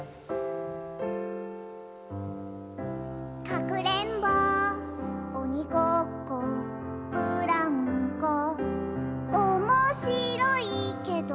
「かくれんぼおにごっこブランコ」「おもしろいけど」